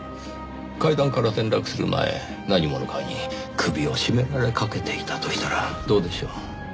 階段から転落する前何者かに首を絞められかけていたとしたらどうでしょう？